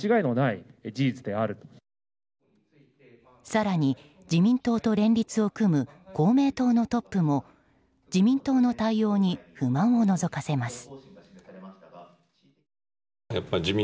更に、自民党と連立を組む公明党のトップも自民党の対応に不満をのぞかせます。